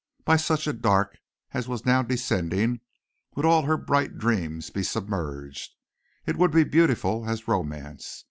By such a dark as was now descending would all her bright dreams be submerged. It would be beautiful as romance.